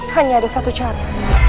hanya ada satu cara